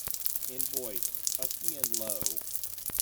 In voice: husky and low.